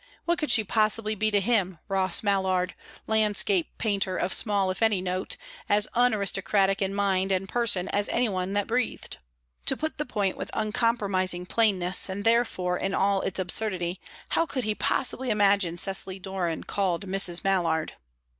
What could she possibly be to him, Ross Mallard, landscape painter of small if any note, as unaristocratic in mind and person as any one that breathed? To put the point with uncompromising plainness, and therefore in all its absurdity, how could he possibly imagine Cecily Doran called Mrs. Mallard?